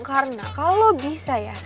karena kalau bisa ya